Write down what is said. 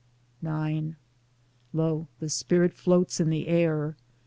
IX Lo ! the spirit floats in the air.